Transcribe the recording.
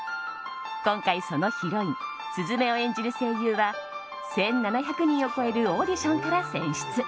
今回、そのヒロイン鈴芽を演じる声優は１７００人を超えるオーディションから選出。